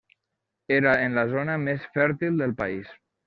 Era en la zona més fèrtil del país.